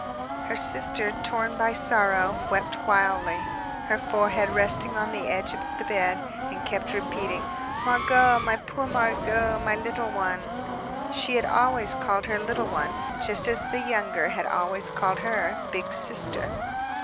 Her sister, torn by sorrow, wept wildly, her forehead resting on the edge of the bed, and kept repeating: "Margot, my poor Margot, my little one!" She had always called her, "Little One," just as the younger had always called her "Big Sister."